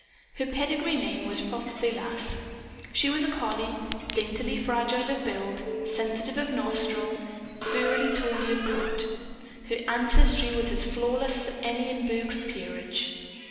Her "pedigree name" was Rothsay Lass. She was a collie daintily fragile of build, sensitive of nostril, furrily tawny of coat. Her ancestry was as flawless as any in Burke's Peerage.